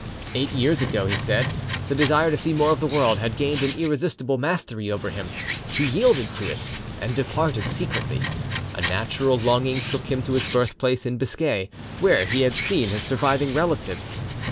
Eight years ago, he said, the desire to see more of the world had gained an irresistible mastery over him; he yielded to it, and departed secretly. A natural longing took him to his birthplace in Biscay, where he had seen his surviving relatives.